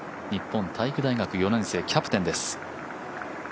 日本体育大学４年生キャプテンです。